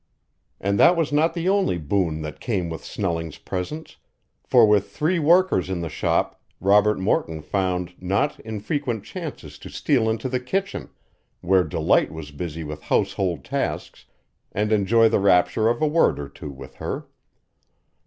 And that was not the only boon that came with Snelling's presence, for with three workers in the shop Robert Morton found not infrequent chances to steal into the kitchen, where Delight was busy with household tasks, and enjoy the rapture of a word or two with her.